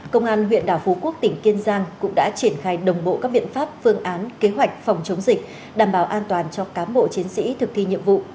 công an huyện đảo phú quốc tỉnh kiên giang cũng đã triển khai đồng bộ các biện pháp phương án kế hoạch phòng chống dịch đảm bảo an toàn cho cám bộ chiến sĩ thực thi nhiệm vụ